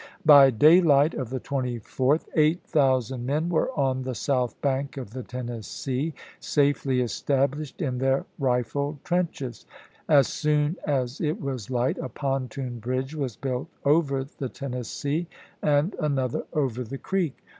By daylight of the 24th, eight thousand men were on Nov., ises. the south bank of the Tennessee, safely established in their rifle trenches. As soon as it was light a pontoon bridge was built over the Tennessee and another over the creek.